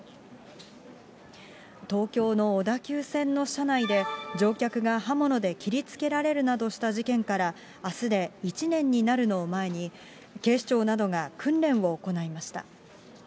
東京の小田急線の車内で、乗客が刃物で切りつけられるなどした事件からあすで１年になるのを前に、警視庁などが訓練を行いました。